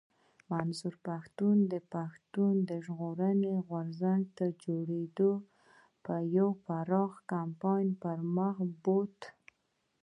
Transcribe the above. منظور پښتين پښتون ژغورني غورځنګ تر جوړېدو يو پراخ کمپاين پر مخ بوت